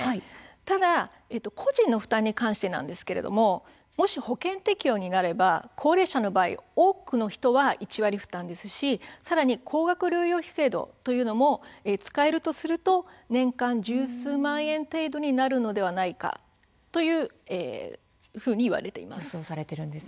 ただ個人の負担に関してはもし、保険適用になれば高齢者の場合多くの人は１割負担ですしさらに高額療養費制度というのも使えるとすると年間十数万円程度になるのではないかそういうふうにいわれています。